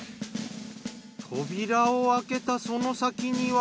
扉を開けたその先には。